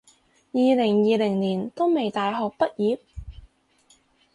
二零二零年都未大學畢業？